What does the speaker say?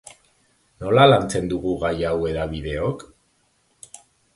Nola lantzen dugu gai hau hedabideok?